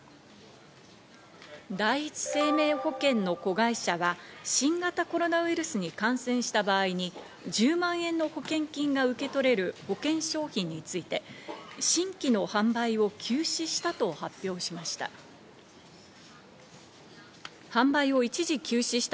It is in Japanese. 第一生命保険の子会社は、新型コロナウイルスに感染した場合に１０万円の保険金が受け取れる保険商品について新規の販売を休止したと発表しました。